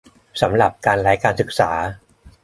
สำหรับ การไร้การศึกษา ?